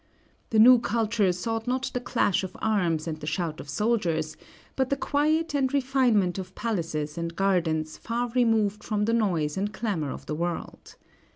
The new culture sought not the clash of arms and the shout of soldiers, but the quiet and refinement of palaces and gardens far removed from the noise and clamor of the world.